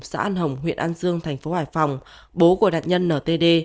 xã an hồng huyện an dương thành phố hải phòng bố của nạn nhân ntd